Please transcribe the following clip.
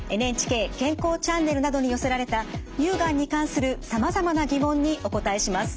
ＮＨＫ健康チャンネルなどに寄せられた乳がんに関するさまざまな疑問にお答えします。